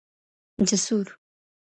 جسور